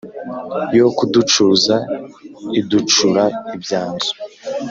Yo kuducuza iducura ibyanzu.